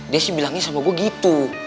dia sih bilangnya sama gue gitu